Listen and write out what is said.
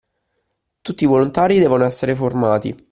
Tutti i volontari devono esser formati